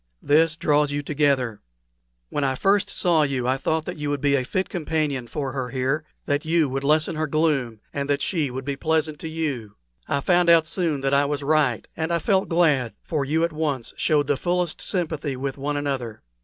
This draws you together. When I first saw you I thought that you would be a fit companion for her here that you would lessen her gloom, and that she would be pleasant to you. I found out soon that I was right, and I felt glad, for you at once showed the fullest sympathy with one another.